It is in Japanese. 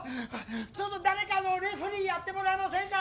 ちょっと誰かレフェリーやってもらえませんか？